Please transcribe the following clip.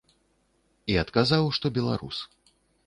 І адказаў, што беларус.